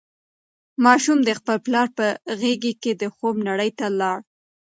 ماشوم د خپل پلار په غېږ کې د خوب نړۍ ته لاړ.